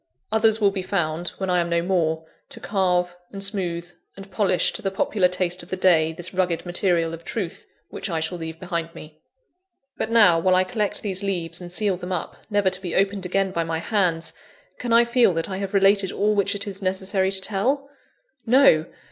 Others will be found, when I am no more, to carve, and smooth, and polish to the popular taste of the day this rugged material of Truth which I shall leave behind me. But now, while I collect these leaves, and seal them up, never to be opened again by my hands, can I feel that I have related all which it is necessary to tell? No!